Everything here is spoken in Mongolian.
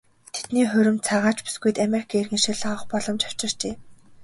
Тэдний хурим цагаач бүсгүйд Америкийн иргэншил авах боломж авчирчээ.